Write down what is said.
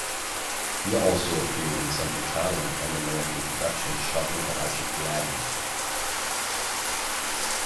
He also appeared in some Italian and American productions shot in the archipelago.